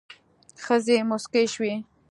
ښځې موسکې شوې.